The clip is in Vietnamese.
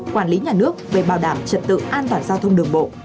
quản lý nhà nước về bảo đảm trật tự an toàn giao thông đường bộ